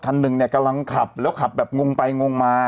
คันหนึ่งเนี่ยกำลังขับแล้วขับแบบงงไปงงมา